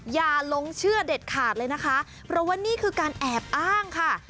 อย่าลงเชื่อเด็ดขาดเลยนะคะเพราะว่านี่คือการแอบอ้างค่ะ